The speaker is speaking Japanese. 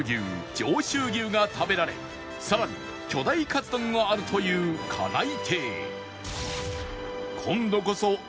上州牛が食べられ更に巨大カツ丼があるというカナイテイ